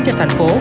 cho thành phố